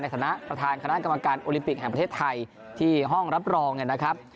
ฐานะประธานคณะกรรมการโอลิมปิกแห่งประเทศไทยที่ห้องรับรองนะครับ